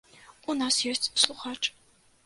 У нас ёсць слухач.